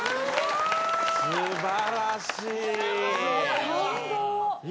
すばらしい！